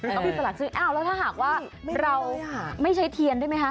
ต้องมีสลักซื้ออ้าวแล้วถ้าหากว่าเราไม่ใช้เทียนได้ไหมคะ